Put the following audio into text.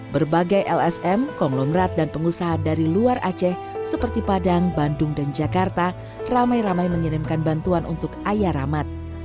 berbagai lsm konglomerat dan pengusaha dari luar aceh seperti padang bandung dan jakarta ramai ramai mengirimkan bantuan untuk ayah rahmat